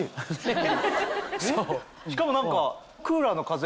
しかも何か。